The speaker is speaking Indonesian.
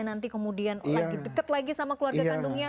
nanti kemudian lagi dekat lagi sama keluarga kandungnya